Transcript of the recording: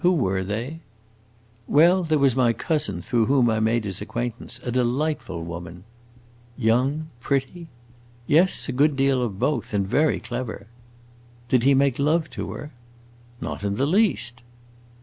Who were they?" "Well, there was my cousin, through whom I made his acquaintance: a delightful woman." "Young pretty?" "Yes, a good deal of both. And very clever." "Did he make love to her?" "Not in the least."